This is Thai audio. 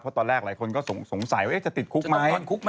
เพราะตอนแรกหลายคนก็สงสัยว่าจะติดคุกไหม